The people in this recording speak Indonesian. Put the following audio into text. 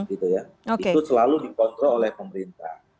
itu selalu dikontrol oleh pemerintah